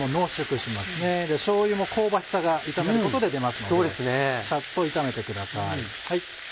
しょうゆも香ばしさが炒めることで出ますのでサッと炒めてください。